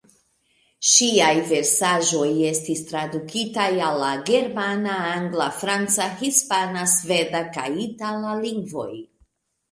Ŝiaj versaĵoj estis tradukitaj al la germana, angla, franca, hispana, sveda kaj itala lingvoj.